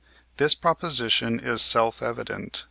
This proposition is self evident.